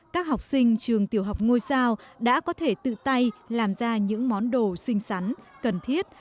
các học sinh trường tiểu học ngôi sao đã có thể tự tay làm ra những món đồ xinh xắn cần thiết